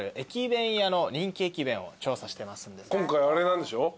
今回あれなんでしょ。